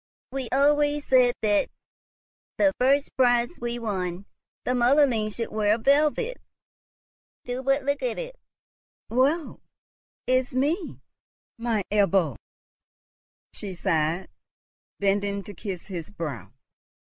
"We always said that, the first prize we won, the motherling should wear velvet. Do but look at it." "Woe is me, my Ebbo!" she sighed, bending to kiss his brow.